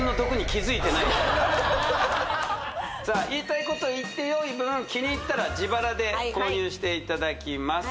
私はさあ言いたいこと言ってよい分気に入ったら自腹で購入していただきます